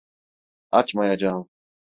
Açmayacağım.